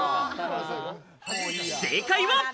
正解は。